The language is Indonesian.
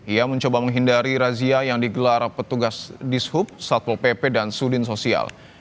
ia mencoba menghindari razia yang digelar petugas dishub satpol pp dan sudin sosial